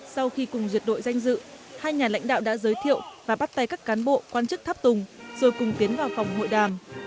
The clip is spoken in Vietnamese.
sau khi cùng duyệt đội danh dự hai nhà lãnh đạo đã giới thiệu và bắt tay các cán bộ quan chức tháp tùng rồi cùng tiến vào phòng hội đàm